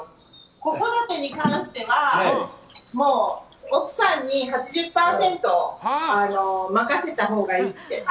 子育てに関しては奥さんに８０％任せたほうがいいって。